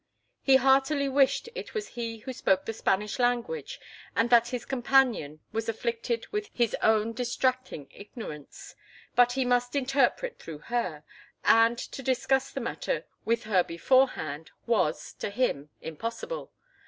He heartily wished it was he who spoke the Spanish language and that his companion was afflicted with his own distracting ignorance; but he must interpret through her, and to discuss the matter with her beforehand was, to him, impossible.